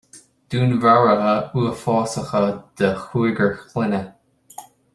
Dúnmharuithe uafásacha de chúigear clainne